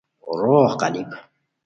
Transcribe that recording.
روغ قالیپ